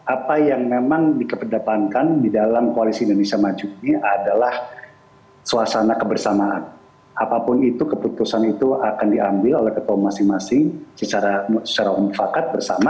apa yang memang dikedepankan di dalam koalisi indonesia maju ini adalah suasana kebersamaan apapun itu keputusan itu akan diambil oleh ketua masing masing secara mufakat bersama